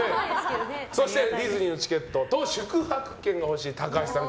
そしてディズニーのチケットと宿泊券が欲しい高橋さん